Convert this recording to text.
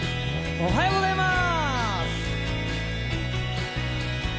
おはようございます！